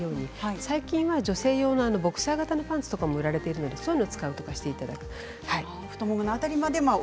最近は女性用のボクサー型のパンツとかも売られているのでそういうのを使うようにしていただくと。